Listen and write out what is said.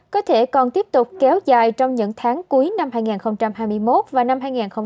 có thể còn tiếp tục kéo dài trong những tháng cuối năm hai nghìn hai mươi một và năm hai nghìn hai mươi bốn